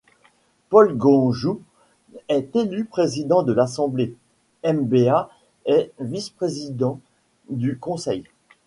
Paul Gondjout est élu président de l’assemblée, Mba est Vice-Président du Conseil.